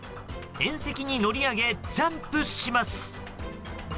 縁石に乗り上げジャンプします。